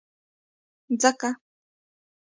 ځکه،